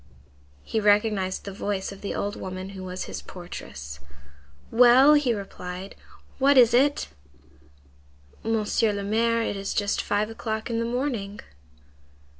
He recognized the voice of the old woman who was his portress. "Well!" he replied, "what is it?" "Monsieur le Maire, it is just five o'clock in the morning."